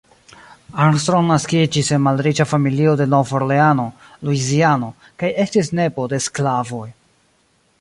Armstrong naskiĝis en malriĉa familio en Nov-Orleano, Luiziano, kaj estis nepo de sklavoj.